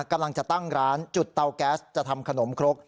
กำลังจะตั้งร้านจุดเตาแก๊สจะทำขนมครก